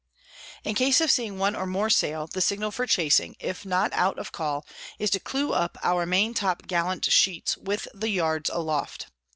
"In case of seeing one or more Sail, the Signal for chasing, if not out of call, is to clew up our Maintop gallant Sheets, with the Yards aloft.